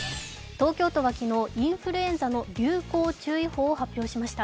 東京都は昨日、インフルエンザの流行注意報を発表しました。